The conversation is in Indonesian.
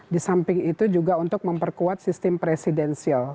di samping itu juga untuk memperkuat sistem presidensial